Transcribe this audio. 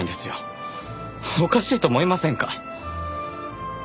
おかしいと思いませんか？